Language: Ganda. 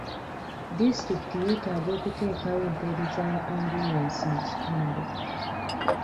Disitulikiti yetaaga okuteekawo empeereza y'ambyulensi mu kitundu.